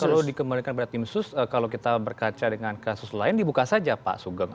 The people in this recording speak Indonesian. kalau dikembalikan pada tim sus kalau kita berkaca dengan kasus lain dibuka saja pak sugeng